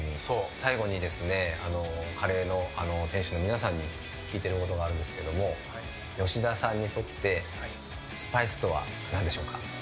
最後にカレーの店主の皆さんに聞いてることがあるんですけど吉田さんにとってスパイスとは何でしょうか。